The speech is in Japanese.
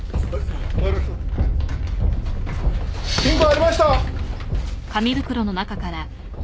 金庫ありました！